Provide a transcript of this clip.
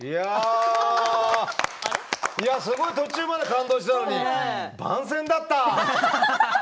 すごい途中まで感動してたのに番宣だった！